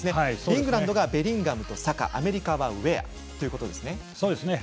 イングランドがベリンガムとサカアメリカはウェアですね。